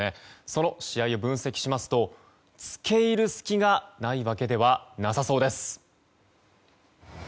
その試合を分析しますと付け入る隙がないわけではなさそうです。